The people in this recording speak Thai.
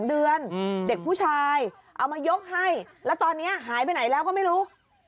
๒เดือนเด็กผู้ชายเอามายกให้แล้วตอนนี้หายไปไหนแล้วก็ไม่รู้